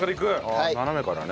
斜めからね。